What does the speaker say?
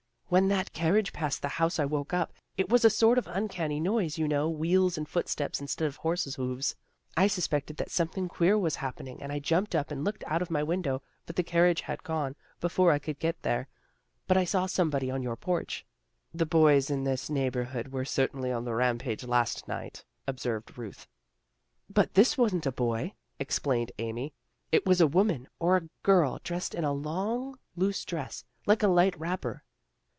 "" When that carriage passed the house I woke up. It was a sort of uncanny noise, you know, wheels and footsteps, instead of horses' hoofs. I suspected that something queer was ELAINE HAS VISITORS 91 happening and I jumped up and looked out of my window, but the carriage had gone before I could get there. But I saw somebody on your porch." " The boys in this neighborhood were cer tainly on the rampage last night," observed Ruth. " But this wasn't a boy," explained Amy. " It was a woman, or a girl, dressed hi a long, loose dress, like a light wrapper."